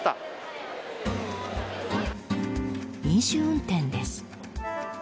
飲酒運転です。